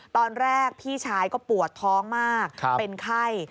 ตอนแรกพี่ชายก็ปวดท้องมากเป็นไข้